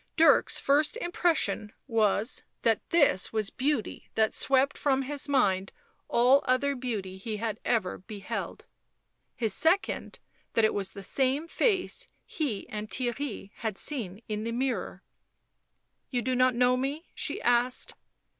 Dirk's first impression was, that this was beauty that swept from his mind all other beauty he had ever beheld ; his second, that it was the same face he and Theirry had seen in the mirror. " You do not know me ?" she asked.